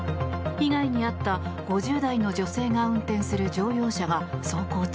被害に遭った５０代の女性が運転する乗用車が走行中